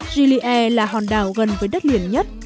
gili e là hòn đảo gần với đất liền nhất